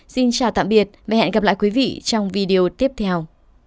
xin chào tạm biệt và hẹn gặp lại quý vị trong video tiếp theo